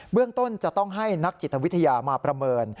เรื่องต้นจะต้องให้นักจิตวิทยามาประเมิน